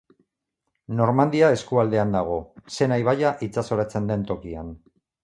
Normandia eskualdean dago, Sena ibaia itsasoratzen den tokian.